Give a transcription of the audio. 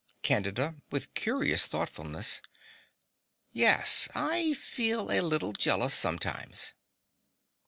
CANDIDA (with curious thoughtfulness). Yes, I feel a little jealous sometimes.